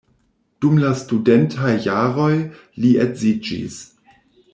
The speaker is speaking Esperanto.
Dum la studentaj jaroj li edziĝis.